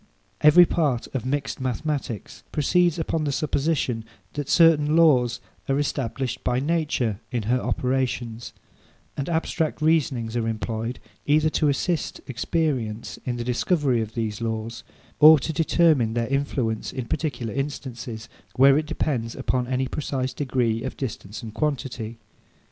Every part of mixed mathematics proceeds upon the supposition that certain laws are established by nature in her operations; and abstract reasonings are employed, either to assist experience in the discovery of these laws, or to determine their influence in particular instances, where it depends upon any precise degree of distance and quantity.